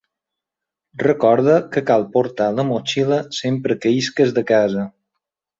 Recorda que cal portar la motxilla sempre que isques de casa.